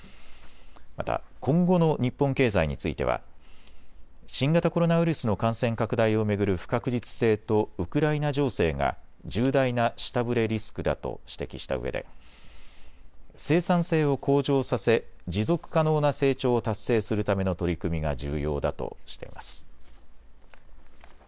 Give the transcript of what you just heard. また、今後の日本経済については新型コロナウイルスの感染拡大を巡る不確実性とウクライナ情勢が重大な下振れリスクだと指摘したうえで生産性を向上させ、持続可能な成長を達成するための取り組みが重要だとしています。